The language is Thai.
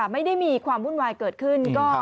ไม่ได้มีความวุ่นวายเกิดขึ้น